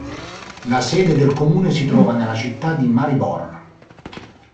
La sede del comune si trova nella città di Maribor.